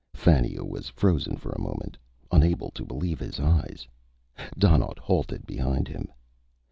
Fannia was frozen for a moment, unable to believe his eyes. Donnaught halted behind him.